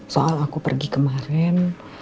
soal aku pergi kemarin